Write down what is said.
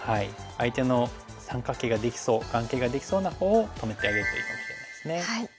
相手の三角形ができそう眼形ができそうなほうを止めてあげるといいかもしれないですね。